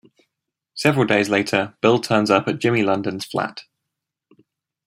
Several days later, Bill turns up at Jimmy's London flat.